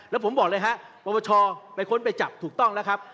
แล้วผมบอกเลยฮะปรปชไปค้นไปจับถูกต้องแล้วครับ